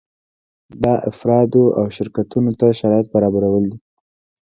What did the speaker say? دا افرادو او شرکتونو ته شرایط برابرول دي.